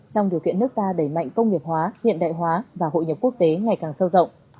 trong điều kiện nước ta đẩy mạnh công nghiệp hóa hiện đại hóa và hội nhập quốc tế ngày càng sâu rộng